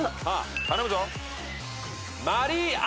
頼むぞ。